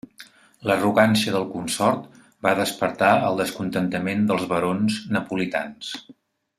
L'arrogància del consort va despertar el descontentament dels barons napolitans.